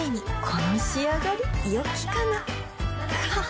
この仕上がりよきかなははっ